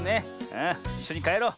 ああいっしょにかえろう。